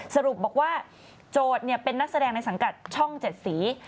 สรุปบอกว่าโจทย์เป็นนักแสดงในสังกัดช่อง๗สี